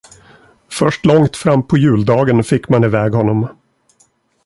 Först långt frampå juldagen fick man i väg honom.